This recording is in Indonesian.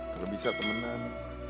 kalau bisa temenan